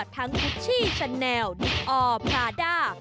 ทั้งฟุตชี่ชาแนลดิกอร์พาร์ด้า